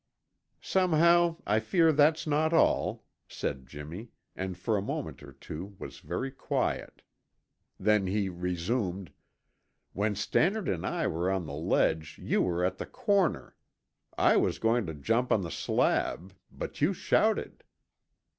"Somehow I feel that's not all," said Jimmy and for a moment or two was very quiet. Then he resumed: "When Stannard and I were on the ledge you were at the corner. I was going to jump on the slab, but you shouted."